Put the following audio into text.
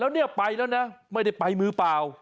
แล้วเนี่ยไปแล้วนะไม่ได้ไปมือเปล่า